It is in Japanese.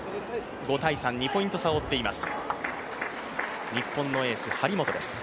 ５対３、２ポイント差を追っています。